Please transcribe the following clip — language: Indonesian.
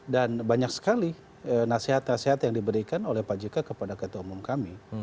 dan banyak sekali nasihat nasihat yang diberikan oleh pak jk kepada ketua umum kami